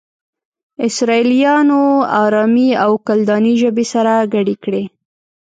اسرائيليانو آرامي او کلداني ژبې سره گډې کړې.